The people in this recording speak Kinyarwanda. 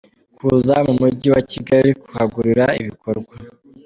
Kuza mu Mujyi wa Kigali kuhagurira ibikorwa.